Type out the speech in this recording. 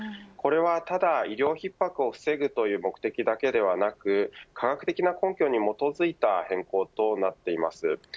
これはただ、医療逼迫を防ぐという目的だけではなく科学的な根拠に基づいた変更となっています。